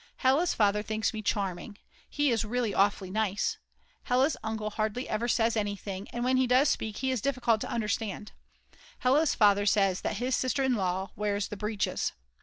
Hella's father thinks me charming; he is really awfully nice. Hella's uncle hardly ever says anything, and when he does speak he is difficult to understand; Hella's father says that his sister in law wears the breeches.